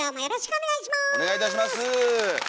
お願いいたします。